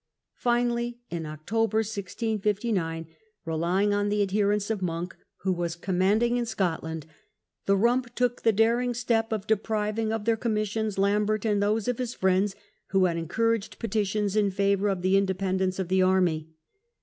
Finally, in October, 1659, rely ing on the adherence of Monk, who was commanding in Scotland, the "Rump" took the daring step of depriving of their commissions Lambert and those of his friends who had encouraged petitions in favour of the independence of the Army.